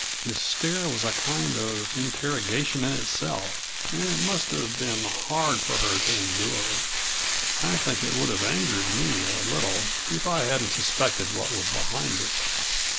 His stare was a kind of interrogation in itself, and it must have been hard for her to endure. I think it would have angered me a little, if I hadn't suspected what was behind it.